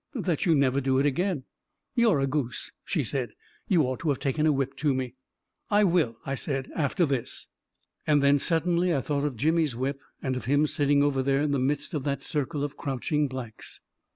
"" That you never do it again !"" You're a goose !" she said. " You ought to have taken a whip to me !" "I will," I said, "after this!" And then suddenly I thought of Jimmy's whip, and of him sitting over there in the midst of that circle of crouching blacks